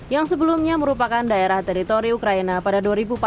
yang sebelumnya merupakan daerah teritori ukraina pada dua ribu empat belas